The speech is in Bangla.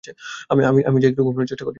আমি যাই, একটু ঘুমানোর চেষ্টা করি।